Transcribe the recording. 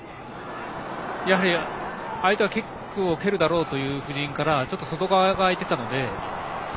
やはり相手はキックを蹴るだろうという布陣からちょっと外側が空いていたので。